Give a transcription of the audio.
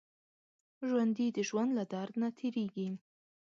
ژوندي د ژوند له درد نه تېرېږي